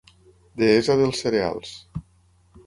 Deessa dels cereals.